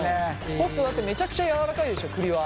北斗だってめちゃくちゃやわらかいでしょ？栗は。